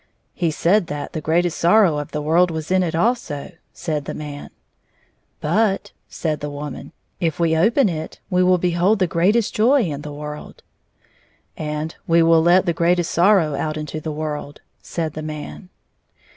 "He said that the greatest sorrow of the world was in it also," said the man. " But," said the woman, " if we open it we will behold the greatest joy in the world." " And we will let the greatest sorrow out into the world," said the man.